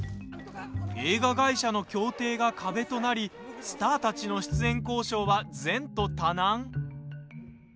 映画会社の協定が壁となりスターたちの出演交渉は前途多難。